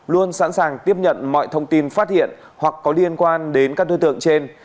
luôn sẵn sàng tiếp nhận mọi thông tin phát hiện hoặc có liên quan đến các đối tượng trên